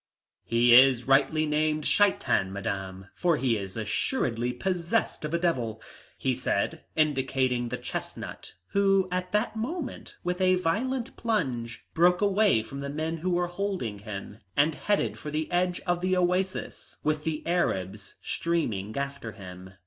"He is rightly named Shaitan, Madame, for he is assuredly possessed of a devil," he said, indicating the chestnut, who, at that moment, with a violent plunge, broke away from the men who were holding him and headed for the edge of the oasis with the Arabs streaming after him.